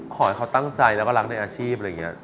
ขอให้เขาตั้งใจแล้วก็รักในอาชีพอะไรอย่างนี้